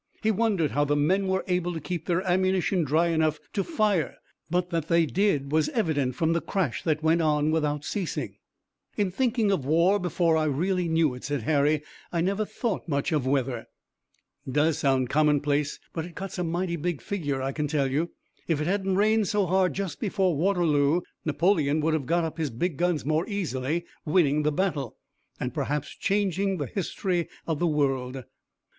He wondered how the men were able to keep their ammunition dry enough to fire, but that they did was evident from the crash that went on without ceasing. "In thinking of war before I really knew it," said Harry, "I never thought much of weather." "Does sound commonplace, but it cuts a mighty big figure I can tell you. If it hadn't rained so hard just before Waterloo Napoleon would have got up his big guns more easily, winning the battle, and perhaps changing the history of the world.